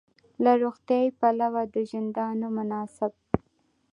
له روغتیايي پلوه د ژوندانه مناسب